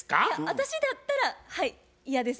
私だったらはい嫌です。